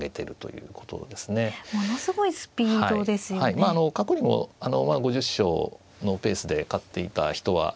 まああの過去にも５０勝のペースで勝っていた人は。